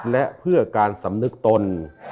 และเพื่อการสำนึกตน